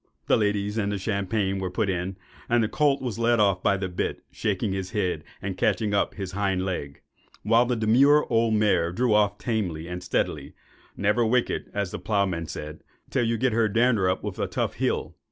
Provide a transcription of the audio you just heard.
The ladies and the champagne were put in, and the colt was led off by the bit, shaking his head, and catching up his hind leg; while the demure old mare drew off tamely and steadily, "never wicked," as the ploughman said, "till you got her dander up with a tough hill."